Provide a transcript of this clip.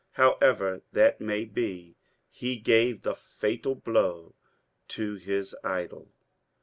However that may be, he gave the fatal blow to his idol.